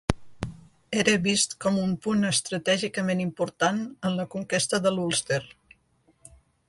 Era vist com a un punt estratègicament important en la conquesta de l'Ulster.